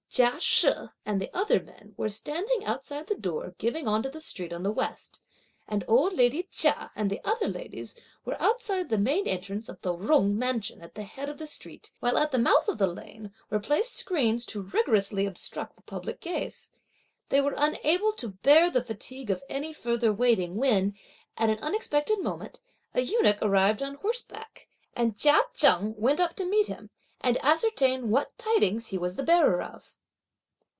Chia She and the other men were standing outside the door giving on to the street on the west; and old lady Chia and the other ladies were outside the main entrance of the Jung mansion at the head of the street, while at the mouth of the lane were placed screens to rigorously obstruct the public gaze. They were unable to bear the fatigue of any further waiting when, at an unexpected moment, a eunuch arrived on horseback, and Chia Cheng went up to meet him, and ascertained what tidings he was the bearer of.